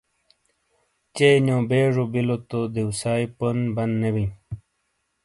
چے نیو بیجو بیلو تو دیوسائی پون بند نے بیئں۔